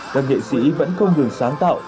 các nghệ sĩ vẫn không ngừng sáng tạo